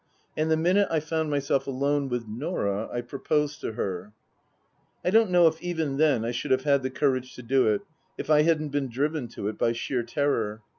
And the minute I found myself alone with Norah I proposed to her. I don't know if even then I should have had the courage to do it if I hadn't been driven to it by sheer terror.